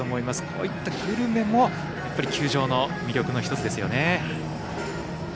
こういったグルメも球場の魅力の１つですよね。